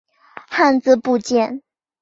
汉字部件。